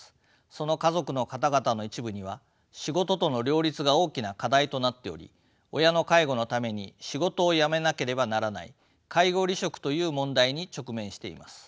その家族の方々の一部には仕事との両立が大きな課題となっており親の介護のために仕事を辞めなければならない介護離職という問題に直面しています。